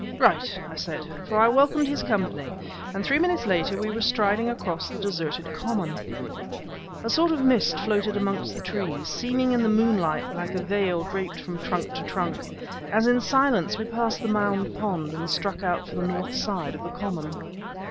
"Right!" I said; for I welcomed his company; and three minutes later we were striding across the deserted common. A sort of mist floated amongst the trees, seeming in the moonlight like a veil draped from trunk to trunk, as in silence we passed the Mound pond, and struck out for the north side of the common.